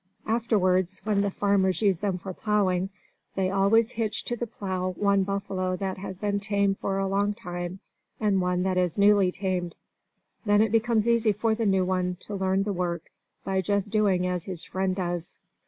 Afterwards, when the farmers use them for plowing, they always hitch to the plow one buffalo that has been tame for a long time, and one that is newly tamed. Then it becomes easy for the new one to learn the work by just doing as his friend does.